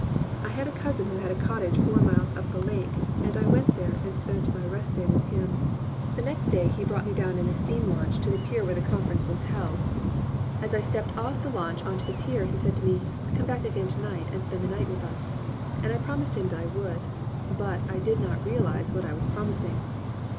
I had a cousin who had a cottage four miles up the lake and I went up there and spent my rest day with him. The next day he brought me down in his steam launch to the pier where the Conference was held. As I stepped off the launch onto the pier he said to me, "Come back again to night and spend the night with us," and I promised him that I would; but I did not realise what I was promising.